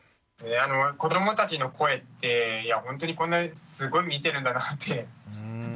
子どもたちの声っていやほんとにこんなすごい見てるんだなって思いました。